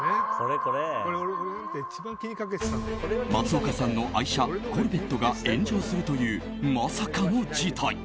松岡さんの愛車コルベットが炎上するというまさかの事態。